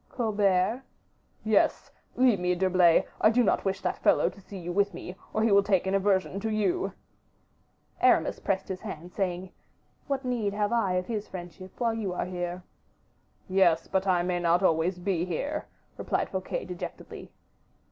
"Colbert?" "Yes; leave me, D'Herblay; I do not wish that fellow to see you with me, or he will take an aversion to you." Aramis pressed his hand, saying, "What need have I of his friendship, while you are here?" "Yes, but I may not always be here," replied Fouquet, dejectedly.